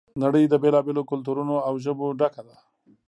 نړۍ د بېلا بېلو کلتورونو او ژبو ډکه ده.